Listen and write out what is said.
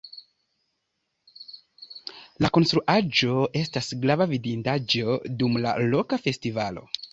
La konstruaĵo estas grava vidindaĵo dum la loka festivalo.